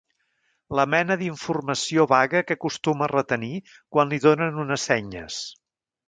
La mena d'informació vaga que acostuma a retenir quan li donen unes senyes.